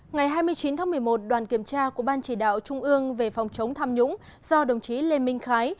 ngày hai mươi chín tháng một mươi một đoàn kiểm tra của ban chỉ đạo trung ương về phòng chống tham nhũng do đồng chí lê minh khái